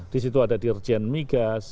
di situ ada dirjen migas